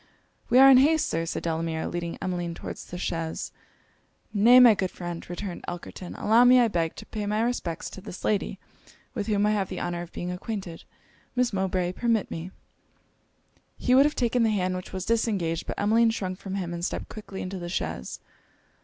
'We are in haste, Sir,' said Delamere, leading Emmeline towards the chaise. 'Nay, my good friend,' returned Elkerton, 'allow me I beg to pay my respects to this lady, with whom I have the honour of being acquainted Miss Mowbray, permit me ' He would have taken the hand which was disengaged; but Emmeline shrunk from him, and stepped quickly into the chaise.